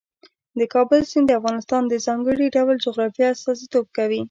د کابل سیند د افغانستان د ځانګړي ډول جغرافیه استازیتوب کوي.